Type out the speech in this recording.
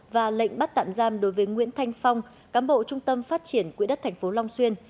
và lệnh bắt tạm giam đối với nguyễn thanh phong cám bộ trung tâm phát triển quỹ đất tp long xuyên